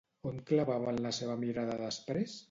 On clavaven la seva mirada després?